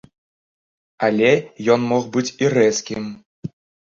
Але ён мог быць і рэзкім.